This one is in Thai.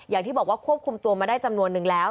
อย่างที่บอกว่าควบคุมตัวมาได้จำนวนนึงแล้ว